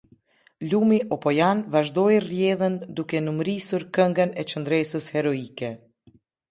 Lumi opojan vazhdoi rrjedhën duke numrisur këngën e qendresës heroike.